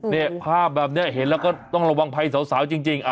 เนี่ยภาพแบบนี้เห็นแล้วก็ต้องระวังภัยสาวจริง